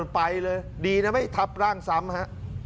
ไปเลยดีนะไม่ทับร่างซ้ำฮะ